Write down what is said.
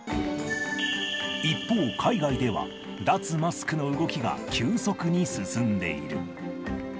一方、海外では脱マスクの動きが急速に進んでいる。